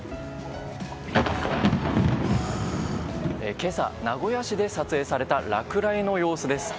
今朝、名古屋市で撮影された落雷の様子です。